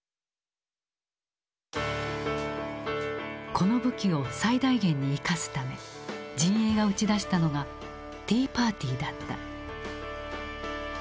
この武器を最大限に生かすため陣営が打ち出したのがティーパーティーだった。